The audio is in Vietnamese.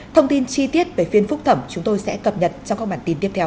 thông tin chi tiết về phiên phúc thẩm chúng tôi sẽ cập nhật trong các bản tin tiếp theo